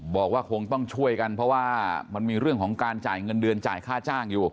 บอกว่าคงต้องช่วยกันเพราะว่ามันมีเรื่องของการจ่ายเงินเดือนจ่ายค่าจ้างอยู่